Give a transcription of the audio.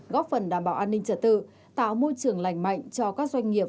góp phần đảm bảo an ninh trật tự tạo môi trường lành mạnh cho các doanh nghiệp